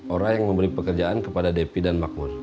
orang yang memberi pekerjaan kepada depi dan makmur